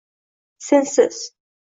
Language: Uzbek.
Sensiz.